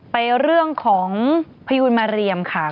ไปเรื่องของพยูนมาเรียมค่ะ